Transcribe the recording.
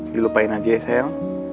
dilupain aja ya sayang